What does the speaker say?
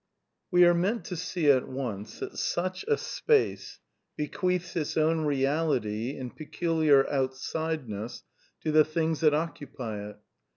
We are meant to see at once that such a space bequeaths its own reality and peculiar outsideness to the things that THE NEW REALISM 171 occupy it.